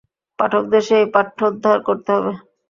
পাঠকদের সেই পাঠোদ্ধার করতে হবে।